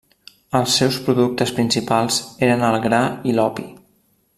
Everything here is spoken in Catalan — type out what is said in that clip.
Els seus productes principals eren el gra i l'opi.